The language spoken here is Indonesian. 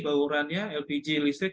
bahwa ukurannya lpg listrik